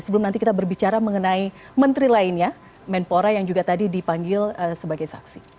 sebelum nanti kita berbicara mengenai menteri lainnya menpora yang juga tadi dipanggil sebagai saksi